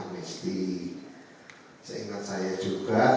ya tapi dalam pengurusan teknologi saya dan pengurusan arief